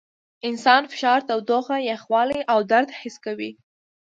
انسان فشار، تودوخه، یخوالي او درد حس کوي.